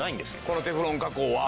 このテフロン加工は？